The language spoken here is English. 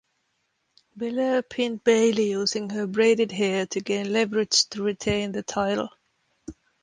Belair pinned Bayley using her braided hair to gain leverage to retain the title.